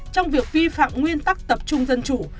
trong việc vi phạm nguyên tắc tập trung dân chủ